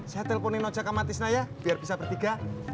saya telponin aja ke matisna ya biar bisa bertiga